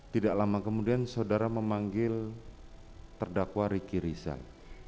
tidak lama kemudian saudara memanggil terdakwa riki rizal